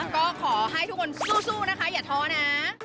ก็ขอให้ทุกคนสู้นะคะอย่าท้อนะ